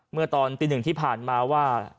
เมื่อตอนปี๑ที่ผ่านมาว่า